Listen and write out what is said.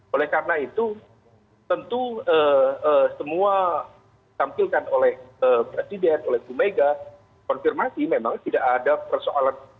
oleh karena itu tentu semua ditampilkan oleh presiden oleh bu mega konfirmasi memang tidak ada persoalan